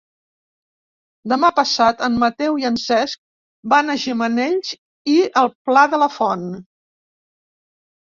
Demà passat en Mateu i en Cesc van a Gimenells i el Pla de la Font.